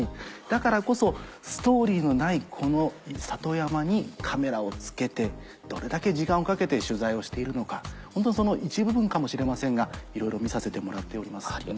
だからこそストーリーのないこの里山にカメラを付けてどれだけ時間をかけて取材をしているのかホントにその一部分かもしれませんがいろいろ見させてもらっております。